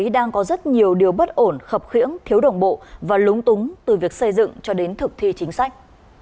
điều bất ổn khập khuyễng thiếu đồng bộ và lúng túng từ việc xây dựng cho đến thực thi chính sách